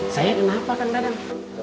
saya kenapa kang dadang